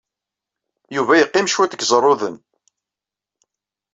Yuba yeqqim cwiṭ deg Iẓerruden.